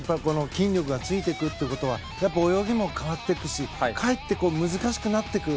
筋力がついてくるってことは泳ぎも変わっていくしかえって難しくなっていく。